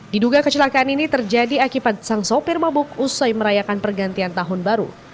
diduga kecelakaan ini terjadi akibat sang sopir mabuk usai merayakan pergantian tahun baru